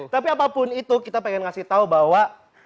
tapi apapun itu kita pengen ngasih tahu bahwa